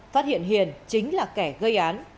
phát hiện hiền chính là kẻ gây án